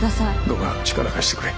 どうか力貸してくれ。